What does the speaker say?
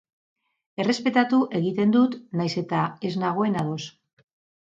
Errespetatu egiten dut, nahiz eta ez nagoen ados.